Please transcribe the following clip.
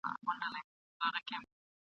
تا به له زګېروي سره بوډۍ لکړه راولي !.